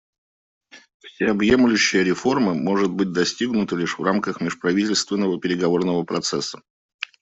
Всеобъемлющая реформа может быть достигнута лишь в рамках межправительственного переговорного процесса.